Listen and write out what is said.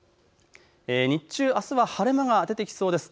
日中、あすは晴れ間が出てきそうです。